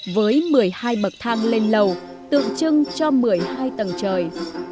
với một mươi hai bậc thang lên lầu tượng trưng cho một mươi hai tầng trời